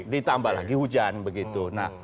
ditambah lagi hujan begitu